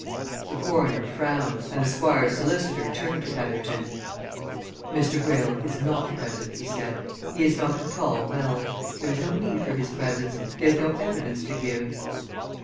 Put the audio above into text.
The coroner frowned, and the Squire's solicitor turned to Petherton. "Mr. Greyle is not present," he said. "He is not at all well. There is no need for his presence he has no evidence to give."